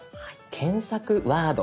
検索ワード